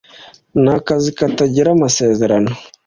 Ntakazi katagira amasezerano